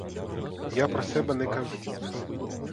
Я про себе не кажу.